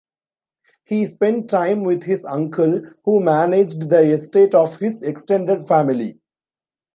He spent time with his uncle, who managed the estate of his extended family.